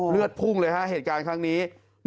เลือดพลุงเลยเหตุการณ์ครั้งนี้